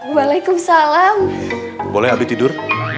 waalaikumsalam boleh tidur